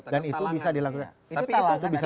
dan itu bisa dilakukan